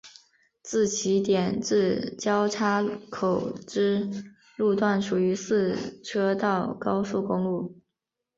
自起点至交叉口之路段属于四车道高速公路。